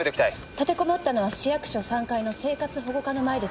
立てこもったのは市役所３階の生活保護課の前です。